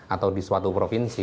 atau di suatu provinsi